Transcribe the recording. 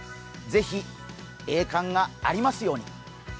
ぜひ栄冠がありますように。